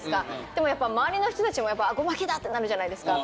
でもやっぱ周りの人たちもあっゴマキだ！ってなるじゃないですか。